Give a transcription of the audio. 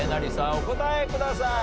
お答えください。